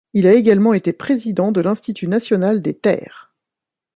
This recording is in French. Il a également été président de l'Institut national des Terres.